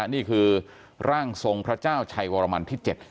นี่คือร่างทรงพระเจ้าชัยวรมันที่๗